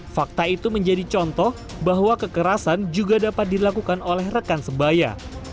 fakta itu menjadi contoh bahwa kekerasan juga dapat dilakukan oleh rekan sebaya